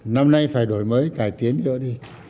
năm nay phải đổi mới cải tiến nữa đi